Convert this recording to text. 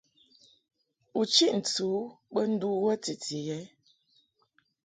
U chiʼ ntɨ u bə ndu wə titi ɛ?